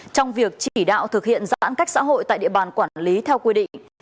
trong việc chỉ đạo thực hiện giãn cách xã hội tại địa bàn quản lý theo quy định